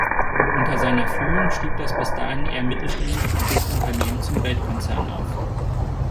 Unter seiner Führung stieg das bis dahin eher mittelständisch geprägte Unternehmen zum Weltkonzern auf.